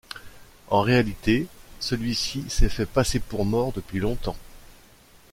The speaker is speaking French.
En réalité, celui-ci s'est fait passer pour mort depuis longtemps.